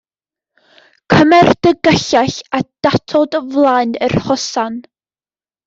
Cymer dy gyllell a datod flaen yr hosan.